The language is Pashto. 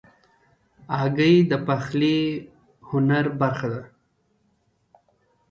هګۍ د پخلي هنر برخه ده.